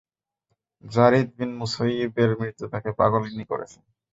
যারীদ বিন মুসাইয়্যিবের মৃত্যু তাকে পাগলিনী করেছে।